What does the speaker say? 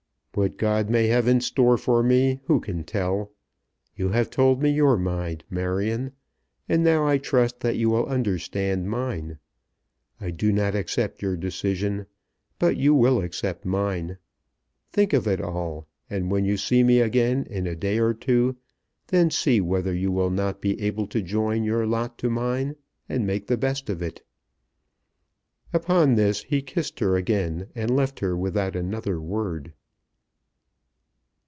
"What God may have in store for me, who can tell. You have told me your mind, Marion; and now I trust that you will understand mine. I do not accept your decision, but you will accept mine. Think of it all, and when you see me again in a day or two, then see whether you will not be able to join your lot to mine and make the best of it." Upon this he kissed her again, and left her without another word.